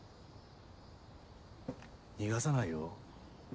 逃がさないよ。